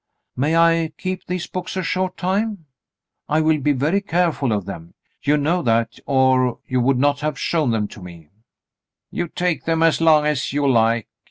"May I keep these books a short time "^ I will be very careful of them. You know that, or you would not have shown them to me," "You take them as long as you like.